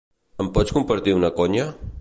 Em pots compartir una conya?